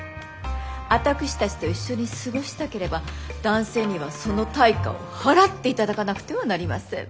私たちと一緒に過ごしたければ男性にはその対価を払っていただかなくてはなりません！